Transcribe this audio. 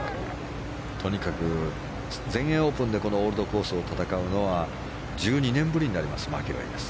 とにかく全英オープンでこのコースを戦うのは１２年ぶりになりますマキロイです。